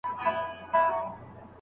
د خان ماینې ته هر څوک بي بي وایي.